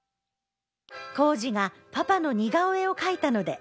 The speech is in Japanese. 「浩二がパパの似顔絵をかいたので」